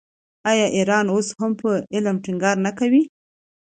آیا ایران اوس هم په علم ټینګار نه کوي؟